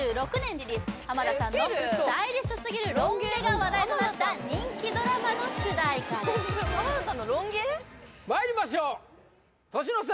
リリース浜田さんのスタイリッシュすぎるロン毛が話題となった人気ドラマの主題歌ですまいりましょう年の差！